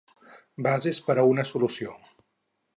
Bases per a una solució.